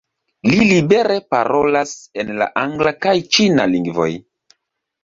Li libere parolas en la angla kaj ĉina lingvoj.